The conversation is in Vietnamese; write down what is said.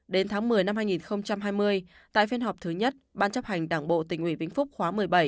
đến tháng một mươi năm hai nghìn hai mươi tại phiên họp thứ nhất ban chấp hành đảng bộ tỉnh ủy vĩnh phúc khóa một mươi bảy